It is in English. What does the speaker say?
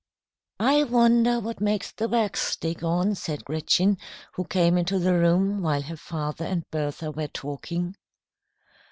"I wonder what makes the wax stick on," said Gretchen, who came into the room while her father and Bertha were talking.